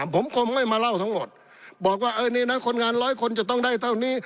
ผมคงไม่มาเล่าทั้งหมดบอกว่าเออนี่นะคนงานร้อยคนจะต้องได้เท่านี้